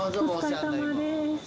お疲れさまです